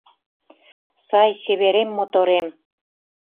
Сай чеверем-моторем...